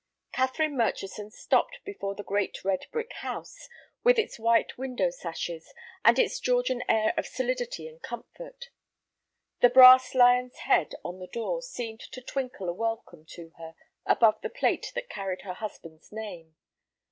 Catherine Murchison stopped before the great red brick house with its white window sashes, and its Georgian air of solidity and comfort. The brass lion's head on the door seemed to twinkle a welcome to her above the plate that carried her husband's name.